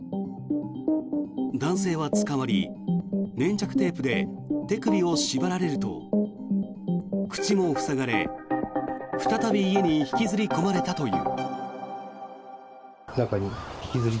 男性は捕まり粘着テープで手首を縛られると口も塞がれ、再び家に引きずり込まれたという。